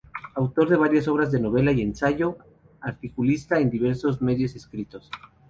Autor de varias obras de novela y ensayo, articulista en diversos medios escritos.